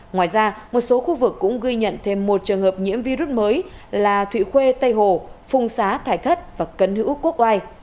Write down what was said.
ngoài ra một số khu vực cũng ghi nhận thêm một trường hợp nhiễm virus mới là thụy khuê tây hồ phùng xá thải thất và cấn hữu quốc oai